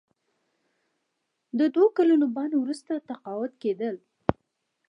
د دوه کلونو بند وروسته تقاعد کیدل.